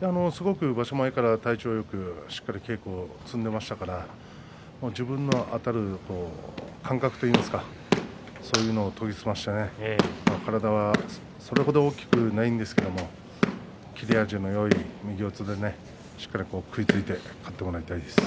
場所前から体調よく稽古を積んでいましたから自分のあたる感覚といいますかそういうものを研ぎ澄まして、体はそれ程大きくないんですけれども切れ味のいい右四つでしっかり突いて勝ってほしいですね。